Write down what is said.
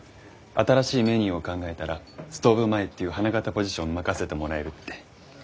新しいメニューを考えたらストーブ前っていう花形ポジション任せてもらえるって。